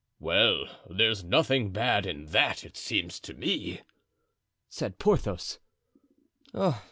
'" "Well, there's nothing bad in that, it seems to me," said Porthos.